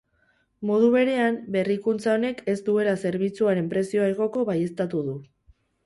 Modu berean, berrikuntza honek ez duela zerbitzuaren prezioa igoko baieztatu du.